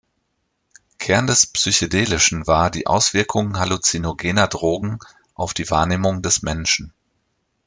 Kern des Psychedelischen war die Auswirkung halluzinogener Drogen auf die Wahrnehmung des Menschen.